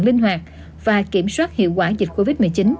linh hoạt và kiểm soát hiệu quả dịch covid một mươi chín